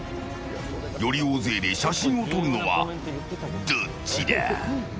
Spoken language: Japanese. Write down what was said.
より大勢で写真を撮るのはどっちだ？